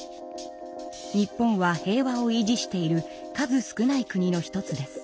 日本は平和を維持している数少ない国の一つです。